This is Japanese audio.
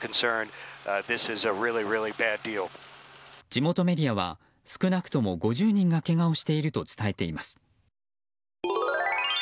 地元メディアは少なくとも５０人がけがをしていると伝えています。